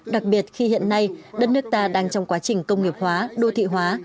đặc biệt khi hiện nay đất nước ta đang trong quá trình công nghiệp hóa đô thị hóa